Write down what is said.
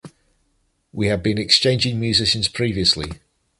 We have been „exchanging“ musicians previously.